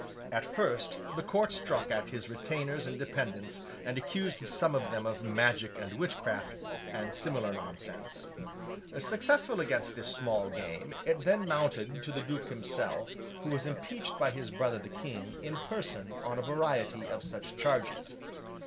At first, the Court struck at his retainers and dependents, and accused some of them of magic and witchcraft, and similar nonsense. Successful against this small game, it then mounted to the Duke himself, who was impeached by his brother the King, in person, on a variety of such charges.